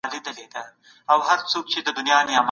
په زخمي سوي وجود نه کيږي مزلونه